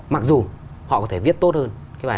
mặc dù họ có thể viết tốt hơn